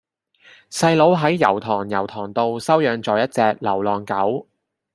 細佬喺油塘油塘道收養左一隻流浪狗